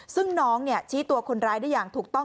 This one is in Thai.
ซึ่งน้องชี้ตัวคนร้ายได้อย่างถูกต้อง